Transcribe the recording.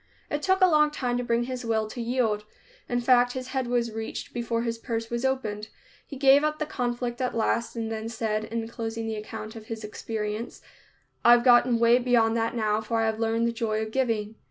It took a long time to bring his will to yield. In fact, his head was reached before his purse was opened. He gave up the conflict at last and then said, in closing the account of his experience, "I've gotten way beyond that now, for I have learned the joy of giving."